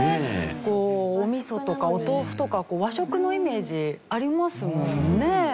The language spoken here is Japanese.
こうおみそとかお豆腐とか和食のイメージありますもんね。